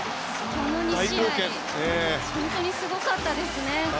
この２試合本当にすごかったですね。